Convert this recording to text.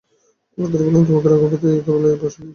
নক্ষত্ররায় বলিলেন, আমাকে রঘুপতি কেবল এই উপদেশ দিতেছে।